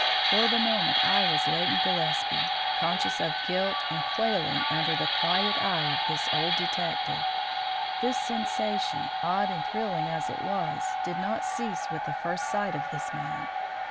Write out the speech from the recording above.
For the moment I was Leighton Gillespie, conscious of guilt and quailing under the quiet eye of this old detective. This sensation, odd and thrilling as it was, did not cease with the first sight of this man.